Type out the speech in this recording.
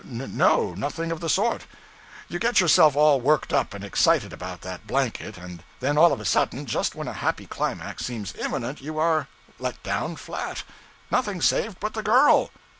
No nothing of the sort. You get yourself all worked up and excited about that blanket, and then all of a sudden, just when a happy climax seems imminent you are let down flat nothing saved but the girl.